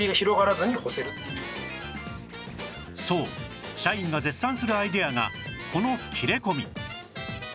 そう社員が絶賛するアイデアがこの切れ込み